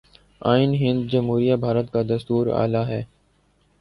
آئین ہند جمہوریہ بھارت کا دستور اعلیٰ ہے